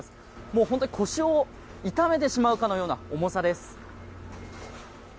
もう本当に腰を痛めてしまうかのような重さです。